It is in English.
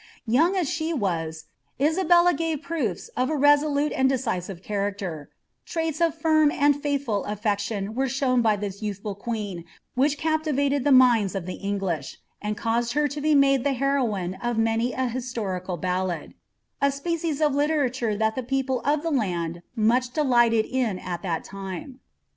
Young m ^h was, Isabella gave proofs of a resolute and decisive chancter; iniu<4 firm and faithful afleclion were shown by this yomliful ipieen, wbirii captivated the minds of the English, end caused her to be matle lb heroine of many an historical balLid, — a species of limntiire that A« people of the lard much delighted in at that time.